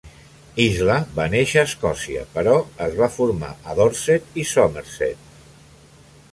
Isla va néixer a Escòcia, però es va formar a Dorset i Somerset.